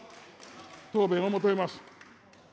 答弁を求めます。